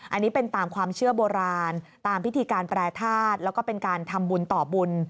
อันนี้เป็นตามความเชื่อโบราณตามพิธีการแปรทาสแล้วก็เป็นการทำบุญต่อบุญ